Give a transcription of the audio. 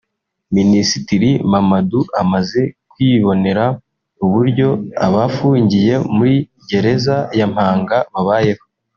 Minisitiri Mamadou amaze kwibonera uburyo abafungiye muri Gereza ya Mpanga babayeho